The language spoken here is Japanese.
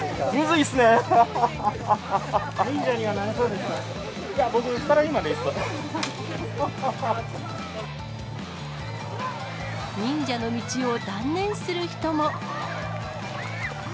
いや、忍者の道を断念する人も。